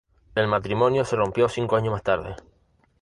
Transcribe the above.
El matrimonio se rompió cinco años más tarde.